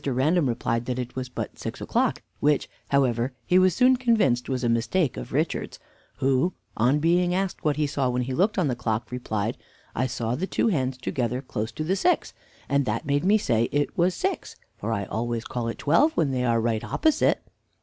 Random replied that it was but six o'clock, which, however, he was soon convinced was a mistake of Richard's, who, on being asked what he saw when he looked on the clock, replied, "I saw the two hands together close to the six, and that made me say it was six, for I always call it twelve when they are right opposite."